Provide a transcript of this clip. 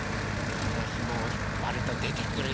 このひもをひっぱるとでてくるよ。